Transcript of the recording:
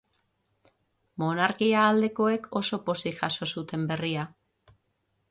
Monarkia aldekoek oso pozik jaso zuten berria.